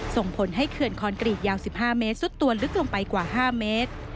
ส่งผลให้เขื่อนคอนกรีตยาว๑๕เมตรซุดตัวลึกลงไปกว่า๕เมตร